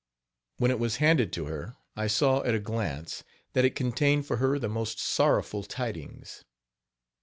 When it was handed to her, I saw, at a glance, that it contained for her the most sorrowful tidings.